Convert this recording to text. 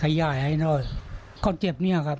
ขยายให้หน่อยก็เจ็บนี้ครับ